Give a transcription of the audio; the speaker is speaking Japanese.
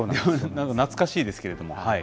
懐かしいですけれども。